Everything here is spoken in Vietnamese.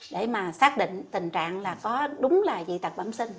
để mà xác định tình trạng là có đúng là dị tật bẩm sinh